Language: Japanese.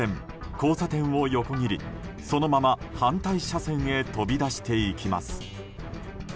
交差点を横切り、そのまま反対車線へ飛び出していきます。